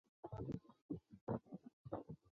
治大国如烹小鲜。